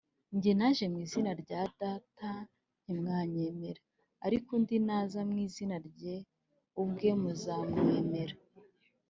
“jye naje mu izina rya data ntimwanyemera; ariko undi naza mu izina rye ubwe muzamwemera